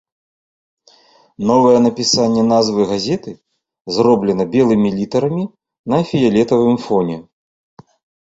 Новае напісанне назвы газеты зроблена белымі літарамі на фіялетавым фоне.